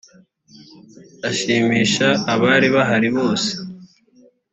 ashimisha abari bahari bose.